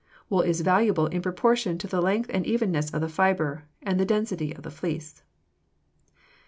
Wool is valuable in proportion to the length and evenness of the fiber and the density of the fleece.